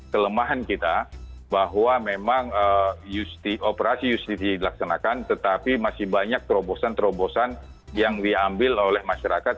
kelemahan kita bahwa memang operasi justisi dilaksanakan tetapi masih banyak terobosan terobosan yang diambil oleh masyarakat